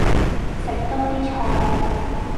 食多啲菜